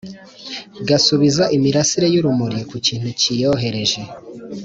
gasubiza imirasire y'urumuri ku kintu kiyohereje